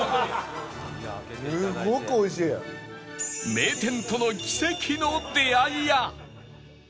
名店との奇跡の出会いや